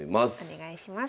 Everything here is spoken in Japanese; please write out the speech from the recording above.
お願いします。